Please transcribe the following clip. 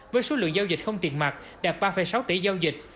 với số lượng giao dịch không tiền mặt đạt ba sáu tỷ giao dịch